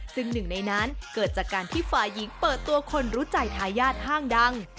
ซึ่งหนึ่งในนั้นเกิดจากการที่ฝ่ายหญิงเปิดตัวคนรู้ใจทายาทห้างดัง